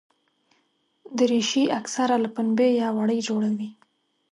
دریشي اکثره له پنبې یا وړۍ جوړه وي.